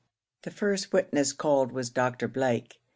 The first witness called was Dr. Blake.